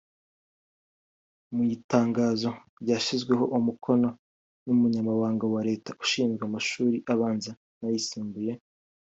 Mu itangazo ryashyizweho umukono n’Umunyamabanga wa Leta ushinzwe amashuri abanza n’ayisumbuye